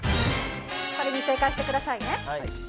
これに正解してくださいね。